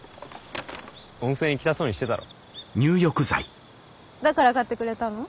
温泉行きたそうにしてたろ。